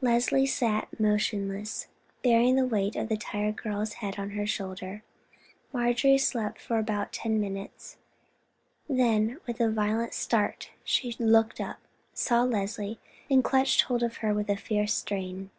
Leslie sat motionless, bearing the weight of the tired girl's head on her shoulder. Marjorie slept for about ten minutes, then with a violent start she looked up, saw Leslie, and clutched hold of her with a fierce strain.